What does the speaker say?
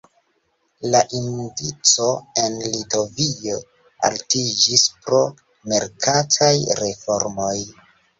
La indico en Litovio altiĝis pro merkataj reformoj.